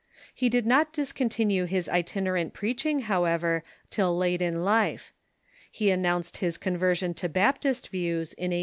He did not discontinue his itinerant preaching, however, till late in life. He announced his conver sion to Baptist views in 1808.